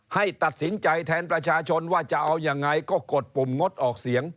ให้ตัดสินใจแทนประชาชนว่าจะเอายังไงก็กดปุ่มงดออกเสียง